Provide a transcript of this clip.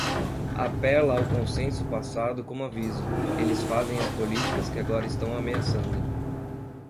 Apela ao consenso passado como aviso, eles fazem as políticas que agora estão ameaçando.